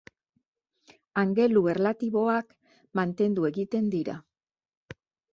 Angelu erlatiboak mantendu egiten dira.